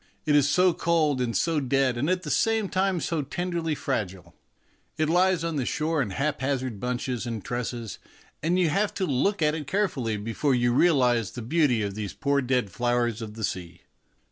It is so cold and so dead and at the same time so tenderly fragile. It lies on the shore in haphazard bunches and tresses, and you have to look at it care fully before you realize the beauty of these poor dead flowers of the sea.